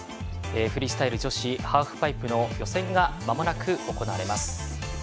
フリースタイル女子ハーフパイプの予選がまもなく行われます。